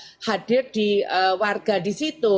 tadi kami sudah hadir di warga di situ